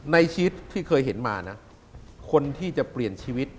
ในชีวิตที่เคยเห็นมานะคนที่จะเปลี่ยนชีวิต